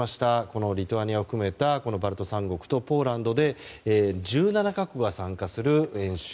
このリトアニアを含めたバルト三国とポーランドで１７か国が参加する演習。